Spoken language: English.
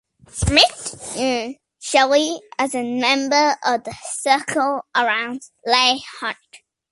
Smith knew Shelley as a member of the circle around Leigh Hunt.